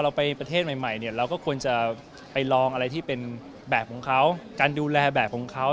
ไปประเทศใหม่เนี่ยเราก็ควรจะไปลองอะไรที่เป็นแบบของเขาการดูแลแบบของเขา